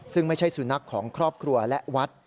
ซึ่งไม่ใช่สุนัขของครอบครัวและวัด